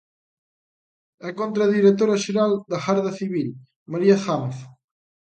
E contra a directora xeral da Garda Civil, María Gámez.